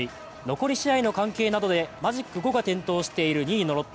残り試合の関係などでマジック５が点灯している２位のロッテ。